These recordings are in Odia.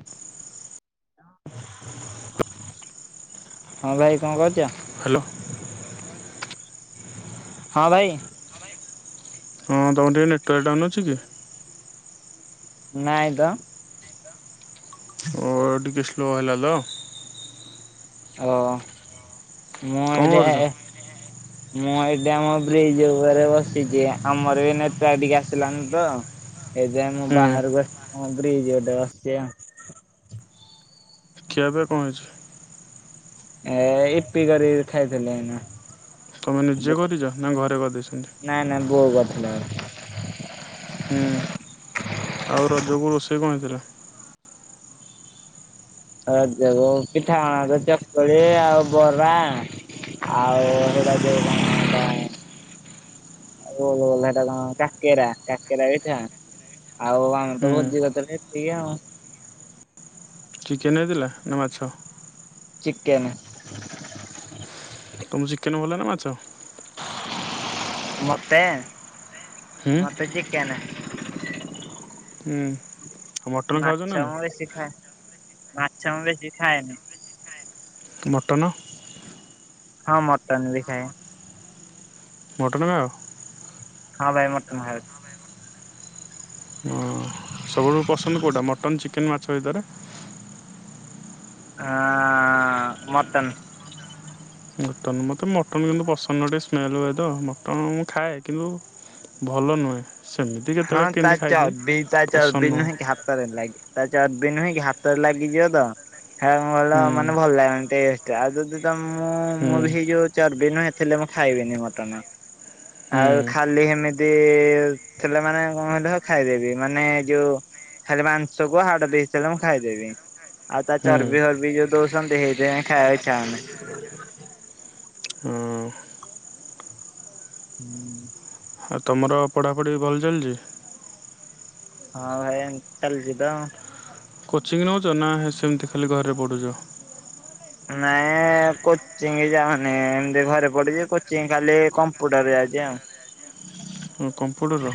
[inaudible] ହଁ ଭାଇ କଣ କରୁଚ, ହ୍ୟାଲୋ, ହଁ ଭାଇ, ହଁ ତମର ଟିକେ ନେଟୱାର୍କ ଡାଉନ୍ ଅଛି କି? ନାଇଁ ତ, ଓ ଟିକେ ସ୍ଲୋ ଆଇଲା ଲ, ଓ ମୁଁ କଣ ଆଇଲି କରୁଛ? ଏଁ, ମୁଁ ଏଇଠି ଆମ ବ୍ରିଜ ଓପେରେ ବସିଚି ଆମର ବି ନେଟୱାର ଟିକେ ଆସିଲାନି ତ, ଏ ଜାଏଁ ମୁଁ ହୁଁ ବାହାରୁକୁ ଆସି ମୁଁ ବ୍ରିଜ ଓପେରେ ବସଚି ଆମ୍ ଖିଆ ପିଆ କଁ ହେଇଛି? ଏଇ ପିବାରେ ଖାଇଥିଲି ଆଜ୍ଞା, ତମେ ନିଜେ କରିଚ ନା ଘରେ କରିଦେଇଚନ୍ତି, ନାଇଁ ନାଇଁ ବୋଉ କରିଥିଲା ବୋଧେ, ହୁଁ ଆଉ ରଜକୁ ରୋଷେଇ କଁ ହେଇଥିଲା? ରଜକୁ ପିଠାପଣାରେ ଚକୁଳି ଆଉ ବରା, ଆଉ ସେଇଟା ଯୋଉ କଣ, ଓହୋ ନାଟା କଣ କାକେରା କାକେରା ପିଠା ଆଉ ଆମେ ହୁଁ ତ ଭୋଜି କରିଥିଲେ, [unintelligible] ଚିକେନ୍ ହେଇଥିଲା ନା ମାଛ? ଚିକେନେ, ତେକ୍ ତମକୁ ଚିକେନ ଭଲ ନା ମାଛ? ମତେ ହୁଁ ମତେ ଚିକେନେ, ହୁଁ, ଆଉ ମଟନ୍ ଖାଉଛ ନା ମାଛ ନାଇଁ? ମୁଁ ବେଶୀ ଖାଏ ମାଛ ମୁଁ ବେଶୀ ଖାଏନି, ମଟନ, ହଁ ମଟନ୍ ବି ଖାଏଁ, ମଟନ୍ ନା ଆଉ, ହଁ ଭାଇ ମଟନ୍ ଖାଉଚି, ହଁ ସବୁଠୁ ପସନ୍ଦ କୋଉଟା ମଟନ୍ ଚିକେନ୍ ମାଛ ଭିତରେ, ହଁ ଅଁ ମଟନ୍, ମଟନ୍ ମୋତେ ମଟନ୍ କିନ୍ତୁ ପସନ୍ଦ ନୁଅଁ ଟିକେ ସ୍ମେଲ୍ ହୁଏ ତ ମଟନ୍ ମୁଁ ଖାଏ କିନ୍ତୁ, ଭଲ ନୁହେଁ, ସେମିତି ହଁ କେତେବେଳେ ତା କେମିତି ଖାଇଦିଏ। ଚର୍ବି ତା ପସନ୍ଦ ଚର୍ବି ନୁହଁ ନୁହେଁ କି ହାତରେ ଲାଗି ତା ଚର୍ବି ନୁହେଁ କି ହାତରେ ଲାଗିଯିବ ତ ହେଲେ କଁ କଇଲ ହୁଁ ମାନେ ଭଲ ଲାଗେନି ଟେଷ୍ଟ ଆଉ ତୁ-ତୁ, ତ ମୁଁ-ମୁଁ ହୁଁ ବି ସେଇ ଯୋଉ ଚର୍ବି ନୁହେଁ ଥିଲେ ମୁଁ ଖାଇବିନି ମଟନ, ଆଉ ହୁଁ ଖାଲି ହେମିତି ଥିଲେ ମାନେ କଁ କିଇଲ ଖାଇଦେବି ମାନେ ଯୋଉ, ଖାଲି ମାଂସ କୁ ହାଡ଼ ପିସ୍ ଦେଲେ ମୁଁ ଖାଇଦେବି, ଆଉ ତା ହୁଁ ଚର୍ବି ହର୍ବି ଯୋଉ ଦୋଉଛନ୍ତି ସେଇଥି ପାଇଁ ଖାଇଆକୁ ଇଛା ହଉନି, ହୁଁ, ହୁଁ, ଆଉ ତମର ପଢ଼ାପଢ଼ି ଭଲ ଚାଲଛି? ହଁ ଭାଇ ଏମ୍ ଚାଲଛିତ, କୋଚିଂ ନଉଛ ନା ହେ ସେମତି ଖାଲି ଘରେ ପଢ଼ୁଛ? ନାଇଁ ଏ, ଏଁ କୋଚିଂ ଯାଉନି ଏମତି ଘରେ ପଡ଼ୁଛି କୋଚିଂ ଖାଲି କମ୍ପୁଟର ଯାଉଛି ଆଉ, ହଁ କମ୍ପୁଟର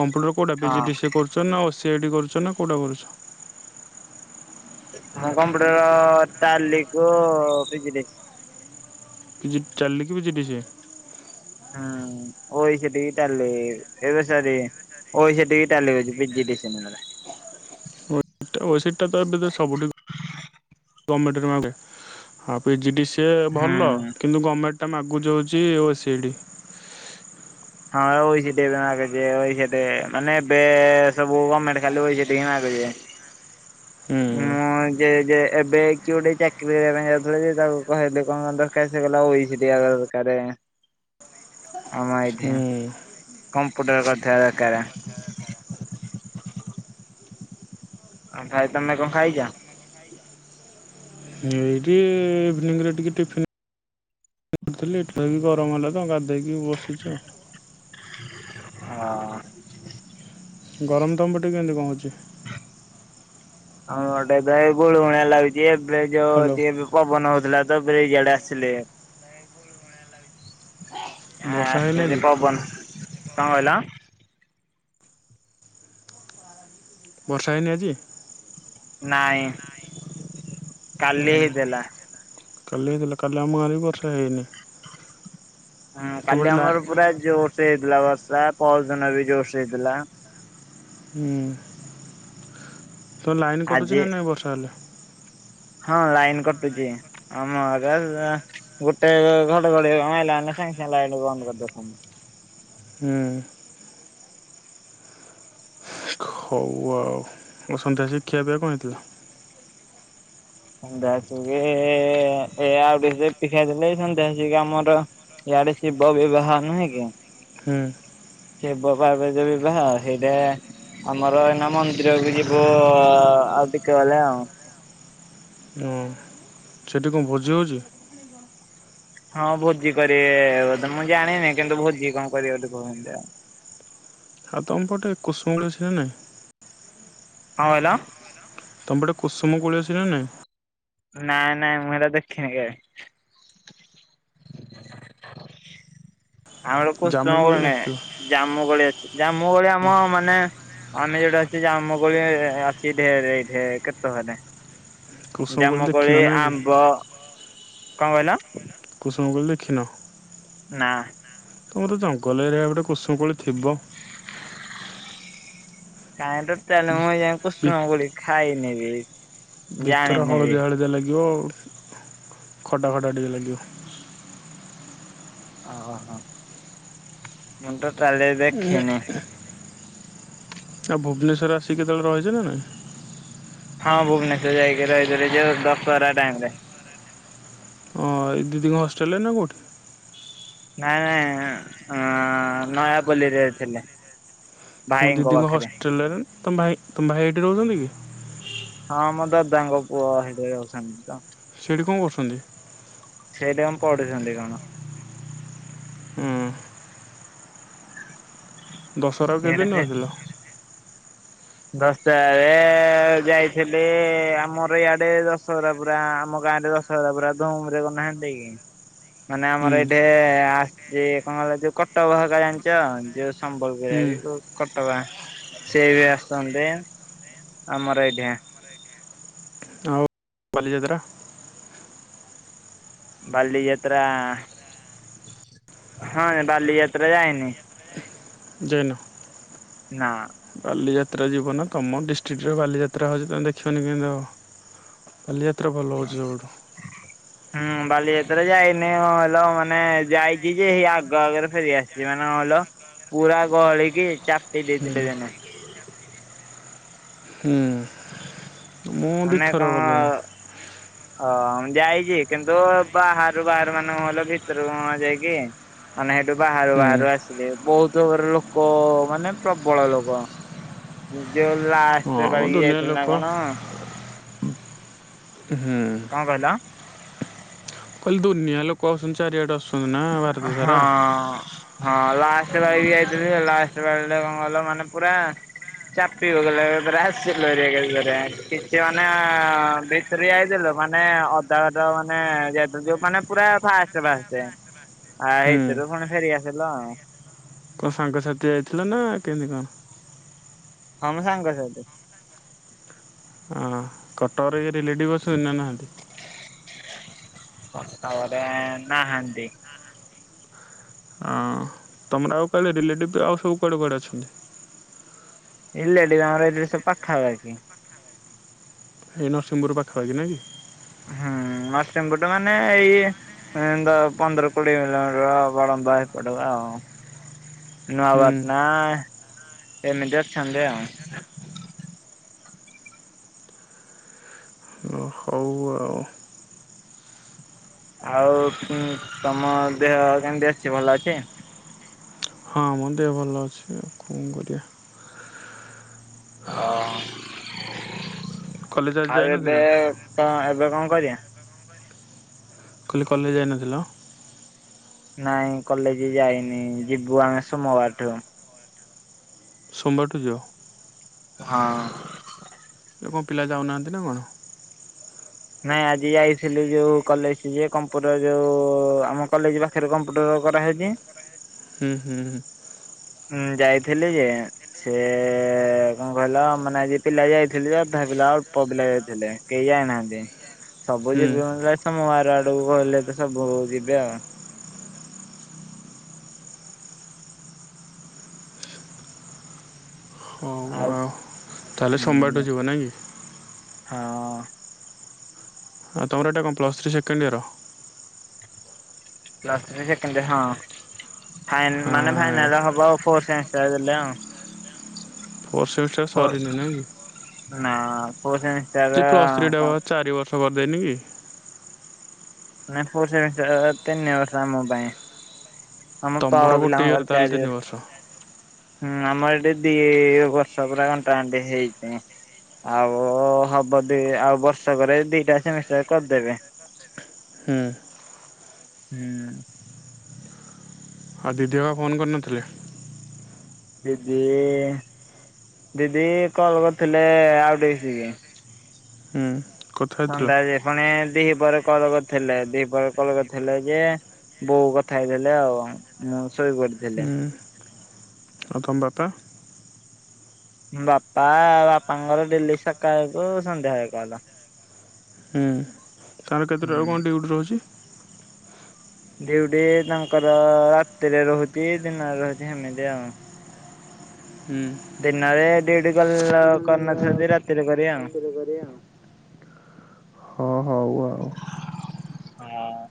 କମ୍ପୁଟର କୋଉଟା ପି ହଁ ଜି ଡି ସି ଏ କୋର ଚନା ଓ ସି ଆଇ ଡି କରୁଚନା କୋଉଟା କରୁଛ? ମୁଁ କମ୍ପ୍ୟୁଟର ଟାଲି କୁ ପି ଜି ଡି ସି ଜିପ ଚାଲି କୁ ପି ଜି ଡି ସି ହଁ। ଓଇସିଟିକି ଟାଲି ଏବେ ସରିନି ମୋର ବି ସେତିକି ଟାଲି ଅଛି ପି ଜି ଡି ସି ନୁହ ନା। ଟା ଓଇସିଟି ଟା ତ ଏବେ ବେ ସବୁ ହଁ [inaudible] ଗମେଣ୍ଟ ରେ ମାଗେ ହଁ ପିଜି ଡି ସିଏ ଭଲ ହୁଁ। କିନ୍ତୁ ଗମେଣ୍ଟ ଟେ ମାଗୁ ଯଉଛି ଓସିଡି। ହଁ ବା ଓଇସିଟି ଏବେ ମାଗୁଛି ଓଇସିଟି ମାନେ ଏବେ ସବୁ ଗମେଣ୍ଟ ଖାଲି ଓଇସିଟି ହିଁ ମାଗୁଛି। ହୁଁ ମୁଁ ଆ ଯେ ଯେ ଏବେ କିଏ ଗୋଟେ ଚାକିରି କରିବା ପାଇଁ ଯାଉଥିଲା ଯେ ତାକୁ କହିଲେ କଣ କଣ ଦରକାର ସେ କହିଲା ଓଇସିଟି ଆ କାରେ ଆଉ ମାଇଧି ହୁଁ କମ୍ପ୍ୟୁଟର କରିଥିବା ଦରକାରେ। ଆଉ ଭାଇ ତମେ କଣ ଖାଇଛ? ଏଇଠି ଇଭିନିଂରେ ଟିକେ ଟିଫିନ୍ ଥିଲି ଏଠି ଖାଇକି ଗରମ ହେଲା ତ ଗାଧେଇକି ବସିଛି ଆଉ। ଆ। ଗରମ ତମ ପଟେ କେଏଁନ୍ତି କଣ ହଉଛି? ଆମ ଆଡେ ଏବେ ଗୁଳୁଗୁଳିଆ ଲାଗୁଛି ଏବେ ଯୋଉ ହ୍ୟାଲୋ ଯିଏ ବି ପବନ ହଉଥିଲା ତ ବ୍ରିଜ୍ ଆଡେ ଆସିଲେ। ବର୍ଷା ହେଇନି ଆସିଲେ ଆଜି ପବନ କଣ କହିଲ? ବର୍ଷା ହେଇନି ଆଜି? ନାଇଁ। କାଲି ହଁ ହେଇଥିଲା। କାଲି ହେଇଥିଲା କାଲି ଆମ ଗାଁରେ ବି ବର୍ଷା ହେଇନି। ହଁ ତମର କାଲି ଲା ଆମର ପୁରା ଜୋରସେ ହେଇଥିଲା ବର୍ଷା ପହରଦିନ ବି ଜୋରସେ ହେଇଥିଲା। ହଁ। ତ ଲାଇନ୍ କଟୁଛି ଆଜି ନା ନାହିଁ ବର୍ଷା ହେଲେ? ହଁ ଲାଇନ୍ କଟୁଛି। ଆମ ଆଡେ ଗୋଟାଏ ଘଡଘଡି ମାଇଲା ମାନେ ସାଙ୍ଗେସାଙ୍ଗେ ଲାଇନ ବନ୍ଦ କରିଦଉଛନ୍ତି। ହଁ। ହଉ ଆଉ ଆଉ ସନ୍ଧ୍ୟା ଶୀ ଖିଆପିଆ କଣ ହେଇଥିଲା? ସନ୍ଧ୍ୟା ଆସିକି ଏ ଏ ଆଉ ଟିକେ ରୁଟି ଖାଇଥିଲି ସନ୍ଧ୍ୟା ଆସିକି ଆମର ଇଆଡେ ଶିବ ବିବାହ ନୁହେଁ କି ହଁ। ଶିବ ପାର୍ବତୀ ବିବାହ ସେଇଟା ଆମର ଏଇନା ମନ୍ଦିରକୁ ଯିବୁ ଆଉ ଟିକେ ଗଲେ ଆଉ। ହଁ। ସେଠି କଣ ଭୋଜି ହଉଛି? ହଁ ଭୋଜି କରିବେ ବୋଧେ ମୁଁ ଜାଣିନି କିନ୍ତୁ ଭୋଜି କଣ କରିବେ ବୋଧେ କହୁଛନ୍ତି ଆଉ। ଆଉ ତମପଟେ କୁସୁମ କୋଳି ଅଛି ନା ନାହିଁ? କଣ କହିଲ? ତମପଟେ କୁସୁମ କୋଳି ଅଛି ନା ନାହିଁ? ନାଇଁ ନାଇଁ ମୁଁ ସେଗୁରା ଦେଖିନି କେବେ। ଆମର ଜାମୁ କୁସୁମ କୋଳି ଦେଖିଥିବ ନାହିଁ। ଜାମୁ କୋଳି ଅଛି ଜାମୁ କୋଳି ଆମ ମାନେ ଅନେଇ ରହିଛି ଜାମୁ କୋଳି ଅଛି ଢେରେ ଏଇଠି କେତ ଭରେ। କୁସୁମ କୋଳି ଜାମୁକୋଳି, ଦେଖିନ ନାଇଁ କି ଆମ୍ବ, କଣ କହିଲ? କୁସୁମ କୋଳି ଦେଖିନ। ନା। ତମର ଜଙ୍ଗଲ ଏରିଆ ପଟେ କୁସୁମ କୋଳି ଥିବ। କାହିଁ ତ ଚାଲେ ମୁଁ ଭି ଯାଉ ଭି କୁସୁମ କୋଳି ଖାଇନି ବି। ଭିତର ଜାଣିନି ବି ହଳଦିଆ ହଳଦିଆ ଲାଗିବ ଖଟା ଖଟା ଟିକେ ଲାଗିବ। ଅ-ଅହ ମୁଁ ତ ତାହେଲେ ଦେଖିନି। ଆଉ ଭୁବନେଶ୍ୱର ଆସିକି କେତବେଳେ ରହିଛ ନା ନାଇଁ? ହଁ ଭୁବନେଶ୍ୱର ଯାଇକି ରହିଥିଲି ଯୋଉ ଦଶହରା ଟାଇମ ରେ। ହଁ ଏ ଦିଦିଙ୍କ ହଷ୍ଟେଲ ରେ ନା କଉଠି ନାଇଁ ନାଇଁ ନୟାପଲ୍ଲୀରେ ଥିଲେ। ମୋ ଭାଇଙ୍କ ଦିଦିଙ୍କ ପାଖରେ। ହୋଷ୍ଟଲ୍ ରେ ତମ ଭାଇ ତମ ଭାଇ ଏଇଠି ରହୁଛନ୍ତି କି? ହଁ ମୋ ଦଦାଙ୍କ ପୁଅ ହେଲେ ଅଛନ୍ତି ତ ସେଇଠି କଣ କରୁଛନ୍ତି? ସେଠ ଆମ ପଢୁଛନ୍ତି କଣ। ହୁଁ। ଦଶହରା କୁ କେତେ ସିଆଡେ ଦିନ ସେ ରହିଥିଲା। ଦଶଟାରେ ଯାଇଥିଲି ଆମର ଇଆଡେ ଦଶହରା ପୁରା ଆମ ଗାଁ ରେ ଦଶ ପୁରା ଧମରେ କହାନ୍ତି କିି ମାନେ ହୁଁ ଆମର ଏଇଠି ଆସିଛି କଣ କଲା ଯୋଉ କଟକହାଗ ଜାଣିଛ ଯୋଉ ସମ୍ବଲ ହୁଁ ବିରି କଟବା ସେଇ ବି ସନ୍ଦେ ଆମର ଏଇଠି। ଆଉ ବାଲିଯାତ୍ରା। ବାଲିଯାତ୍ରା ହଁ ବାଲିଯାତ୍ରା ଯାଇନି। ଯାଇନୁ ନାଁ। ବାଲିଯାତ୍ରା ଜୀବନା ତମ ଡିଷ୍ଟ୍ରିକଟରେ ବାଲିଯାତ୍ରା ହଉଛି ତମେ ଦେଖିବନି କେମିତି ହବ। ବାଲିଯାତ୍ରା ଭଲ ହଉଛି ସବୁଠୁ। [unintelligible] ହୁଁ ବାଲିଯାତ୍ରା ଯାଇନିଁ ହେଲେ ମାନେ ଯାଇଛି ଯେ ଆଗ ଆଗରେ ଫେରିଆସିଛି। ସେମାନେ କହିଲ ପୁରା ଗଳିକି କିି ଚାପି ହୁଁ ଦେଇଥିଲେ। ହୁଁ। ମୁଁ ମାନେ ଦିଥର ଗଲିଣି। କଣ ହଁ ମୁଁ ଯାଇଛି କିନ୍ତୁ ବାହାରୁ ବାହାର ମାନେ ହେଲ ଭିତରକୁ ଯାଇକି ମାନେ ସେଇଠୁ ବାହାରୁ ବାହାରୁ ହୁଁ ଆସି ବହୁତର ଲୋକ ମାନେ ପ୍ରବଳ ଲୋକ ଜୋ ହଁ ଲାଷ୍ଟରେ ଆମ ପାଳିକି ଦୁନିଆ ଯାଇଥିଲି ଲୋକ ନା କଣ? ହୁଁ। କଣ କହିଲ? ମୁଁ କହିଲି ଦୁନିଆ ଲୋକ ଆଉଛନ୍ତି ଚାରିଆଡୁଆସୁଛନ୍ତି ହଁ। ହଁ ଲାଷ୍ଟ ପାଳି କି ଯାଇଥିଲି। ଲାଷ୍ଟ ପାଳି କଣ କଲ ମାନେ ପୁରା ଚାପିଲା ଆସି କିଛି ମାନ [unintelligible] ଫେରିଆଇଥିଲୁ ମାନେ ଅଧା ବାଟମାନେ ଯେହେତୁ ମାନେ ଯଉ ମାନେ ପୁରା ଫାଷ୍ଟ ଫାଷ୍ଟ। ହୁଁ ଆଇଥିଲୁ ପୁଣି ଫେରି ଆସିଲ। କଣ ସାଙ୍ଗସାଥି ଯାଇଥିଲ ନା କେମିତି କଣ? ହଁ ମୁଁ ସାଙ୍ଗ ସାଥି। ହଁ କଟକ ରେ କିଏ ରିଲେଟିଭ ଅଛନ୍ତି ନା ନାହାନ୍ତି? କଟକ ରେ ନାହାନ୍ତି। ହଁ ତମର ଆଉ କାଲି ରିଲେଟିଭ ଆଉ ସବୁ କୁଆଡେ କୁଆଡେ ଅଛନ୍ତି? ରିଲେଟିଭ ଆମର ଏ ଯୋଉ ସବୁ ପାଖାପାଖି। ଏଇ ନରସିଂହପୁର ପାଖାପାଖି ନା କି? ହୁଁ ନରସିଂହପୁର ଟା ମାନେ ଏଇ ପନ୍ଦର କୋଡ଼ିଏ କିଲୋମିଟର ବଡମ୍ପା [unintelligible] ନୂଆବାଟ ନା ହୁଁ ଏମିତି ଅଛନ୍ତି ଆଉ। ହଉ ଆଉ। ଆଉ ତମ ଦେହ କେମିତି ଅଛି ଭଲ ଅଛି? ହଁ ମୋ ଦେହ ଭଲ ଅଛି। ଆଉ କଣ କରିବା। ଓ କଲେଜ ଆଜି ଆଉ ଏବେ ଯାଇନଥିଲ ଏବେ କଣ କରିବା? କାଲି କଲେଜ ଯାଇନଥିଲ? ନାଇଁ କଲେଜ ଯାଇନି। ଯିବୁ ଆମେ ସୋମବାରଠୁ। ସୋମବାର ଠୁ ଯିବ? ହଁ ଆଉ କଣ ପିଲା ଯାଉନାହାନ୍ତି ନା କଣ? ନାଇଁ ଆଜି ଯାଇଥିଲି। ଯୋଉ କଲେଜ ଯିଏ କମ୍ପୁଟର ଯୋଉ ଆମ କଲେଜ ର ଫେରେ କମ୍ପ୍ୟୁଟର କରାହଉଛି। ହୁଁ ହୁଁ ଉଁ ଯାଇଥିଲି ଯେ ସେ କଣ କହିଲ ମାନେ ପିଲା ଯାଇଥିଲି। ଅଧା ପିଲା ଅଳ୍ପ ପିଲା ଯାଇଥିଲେ। କେହି ଯାଇନାହାନ୍ତି। ସବୁ ହୁଁ ଯିବେ ମୋତେ ଲାଗୁଛି ସୋମ ବାର ଆଡକୁ କହିଲେ ତ ସବୁ ଯିବେ ଆଉ। ଆଉ ତାହେଲେ ହୁଁ ସୋମବାରଠୁ ଯିବ ନାଇଁ କି? ହଁ ଆଉ ତମର ଏଟା କଣ plus three second year? Plus three second year ହଁ ଫାଇନ୍ ମାନେ ଫାଇନ। ନେଲେ ହବ ଆଉ ଫୋର ସାଇନ୍ସ ଟା ଦେଲେ ଆଉ। ଫୋର୍ ସେମିଷ୍ଟର ଫୋର୍ ସରି ନି ନାହିଁ କି? ନା ଫୋର ସେମି ସେଇ ପ୍ଲସ ଥ୍ରୀ ଟା ପା ଚାରି ବର୍ଷ କରିଦେଇନି କି? ନାଇଁ ଫୋର ସେମିଷ୍ଟାର ତିନି ବର୍ଷ ଆମ ପାଇଁ। ଆମ ତମର ତଳ ଗୋଟେ ପିଲା ଙ୍କ ଇୟର ପାଇଁ ତାହେଲେ ତିନି ଚାରିବର୍ଷ। ବର୍ଷ ହୁଁ ଆମର ଏଠି ଦି ବର୍ଷ ପୁରା ଘଣ୍ଟା ଘଣ୍ଟି ହେଇଛି। ଆଉ ହବ ଦି ଆଉ ବର୍ଷ ପରେ। ଦିଟା ସେମିଷ୍ଟାର କରିଦେବେ। କରିଦେବେ। ହୁଁ ହୁଁ। ଆଉ ଦିଦି [unintelligible] ଫୋନ୍ କରିନଥିଲେ। ଦିଦି ଦିଦି କଲ୍ କରିଥିଲେ ଆଉ ଟିକେ [unintelligible] ହୁଁ। କଥା ହେଇଥିଲ ସନ୍ଧ୍ୟା ଯେ ଫୁଣି ଦିପହରେ କଲ୍ କରିଥିଲେ ଦିପହରେ କଲ୍ କରିଥିଲେ ଯେ ବୋଉ କଥା ହେଇଥିଲେ ଆଉ ମୁଁ ଶୋଇ ପଡିଥିଲି। ହୁଁ ଆଉ ତମ ବାପା ଉଁ ବାପା ବାପାଙ୍କର ଡେଲି ସକାଳକୁ ସନ୍ଧ୍ୟାବେଳେ କଲ୍। ହୁଁ ତମର କେତେଟାରୁ ହୁଁ କଣ ଡିଉଟି ରହୁଚି। ଡିଉଟି ତାଙ୍କର ରାତିରେ ରହୁଚି ଦିନରେ ରହୁଚି ଏମିତି ଆଉ। ହୁଁ। ଦିନରେ ଡିଉଟି କଲ କରିନଥିବ ଯଦି ରାତିରେ କରିବେ ଆଉ। ହଁ ହଉ ଆଉ ହଁ।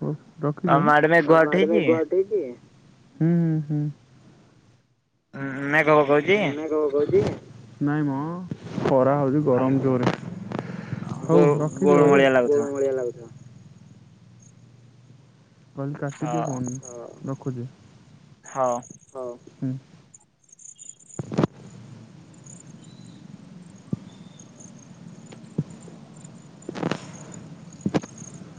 ହଉ ରଖିଦିଅ ତମ ଆଡେ ମେଘ ଉଠେଇଚି? ହୁଁ ହୁଁ। ମେଘ ପକୋଉଚି? ମେଘ ପକୋଉଚି? ନାଇଁ ମ ଖରା ହୋଉ ଗରମ ଜୋରେ ଗୋ ହୋଉ ରଖିଦିଅ ଗୋଳମୋଳିଆ ଲାଗୁଥିବ। ଗୋଲମାଳିଆ ଲାଗୁଥିବ। କହିଲି ହଁ। କାଟିଦିଅ ଫୋନ୍ ରଖୁଚି। ହଁ। ହୋଉ ହୁଁ। [inaudible]